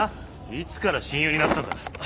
いつから親友になったんだ？